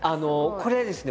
これはですね